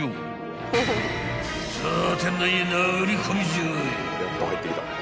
［さあ］